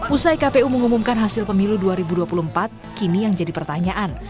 usai kpu mengumumkan hasil pemilu dua ribu dua puluh empat kini yang jadi pertanyaan